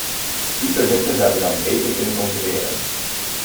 Die producten zouden dan beter kunnen concurreren.